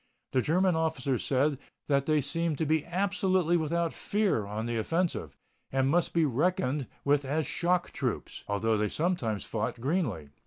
The German officer said that they seemed to be absolutely without fear on the offensive, and must be reckoned with as shock troops, although they sometimes fought greenly.